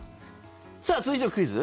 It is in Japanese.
さあ続いてのクイズ？